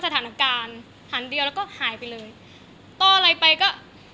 สถานการณ์หันเดียวแล้วก็หายไปเลยต่ออะไรไปก็